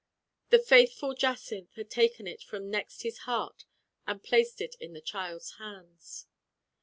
The faithful Jacynth had taken it from next his heart and placed it in the child's hands.